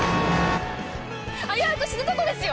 危うく死ぬとこですよ！